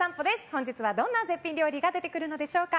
本日はどんな絶品料理が出てくるのでしょうか。